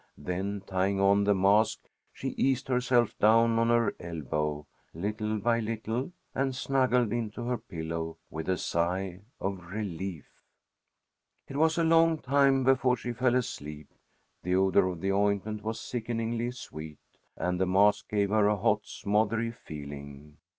Then tying on the mask, she eased herself down on her elbow, little by little, and snuggled into her pillow with a sigh of relief. It was a long time before she fell asleep. The odor of the ointment was sickeningly sweet, and the mask gave her a hot smothery feeling.